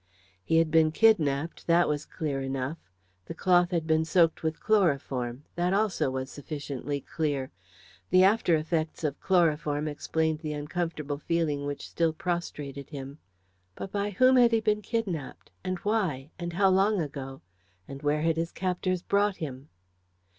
He had been kidnapped that was clear enough; the cloth had been soaked with chloroform that also was sufficiently clear. The after effects of chloroform explained the uncomfortable feeling which still prostrated him. But by whom had he been kidnapped? and why? and how long ago? and where had his captors brought him?